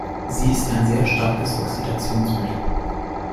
Sie ist ein sehr starkes Oxidationsmittel.